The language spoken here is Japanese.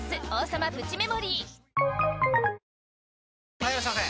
・はいいらっしゃいませ！